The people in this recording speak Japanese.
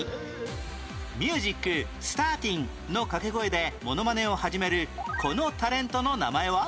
「ミュージック・スターティン」の掛け声でモノマネを始めるこのタレントの名前は？